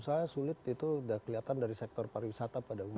kalau dari sisi pengusaha sulit itu udah kelihatan dari sektor pariwisata pada umumnya